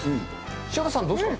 潮田さん、どうですか？